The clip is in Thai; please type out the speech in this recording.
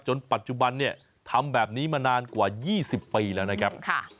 ปัจจุบันเนี่ยทำแบบนี้มานานกว่า๒๐ปีแล้วนะครับ